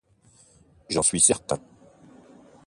J'en suis certain